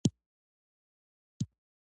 ده د پښتو لیکدود پر اوسني معیار پوښتنې لرلې.